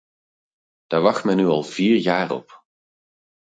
Daar wacht men nu al vier jaar op.